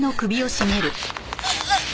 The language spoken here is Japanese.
あっ！